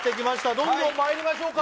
どんどんまいりましょうか。